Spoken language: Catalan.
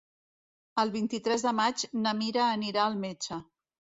El vint-i-tres de maig na Mira anirà al metge.